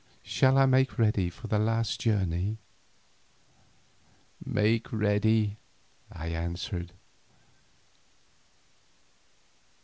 Shall I make ready for our last journey?" "Make ready!" I answered.